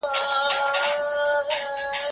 خو هغه د زغم لاره زده کړه.